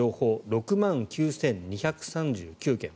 ６万９２３９件。